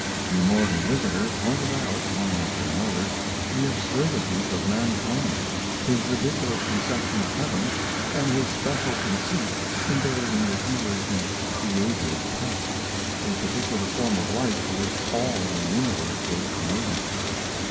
The immortal visitor pointed out, one after another, the absurdities of mankind, his ridiculous conception of heaven, and his special conceit in believing that he was the Creator's pet the particular form of life for which all the universe was created.